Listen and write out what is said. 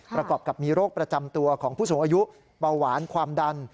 ประกอบกับมีโรคประจำตัวของผู้สูงอายุเบาหวานความดัน